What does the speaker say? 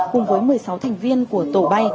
cùng với một mươi sáu thành viên của tổ bay